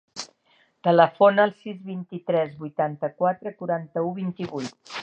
Telefona al sis, vint-i-tres, vuitanta-quatre, quaranta-u, vint-i-vuit.